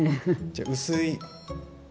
じゃ薄い。